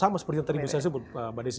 sama seperti yang tadi bu sari sebut mbak desy